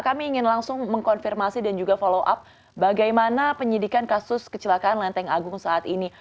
kami ingin langsung mengkonfirmasi dan juga follow up bagaimana penyidikan kasus kecelakaan lenteng agung saat ini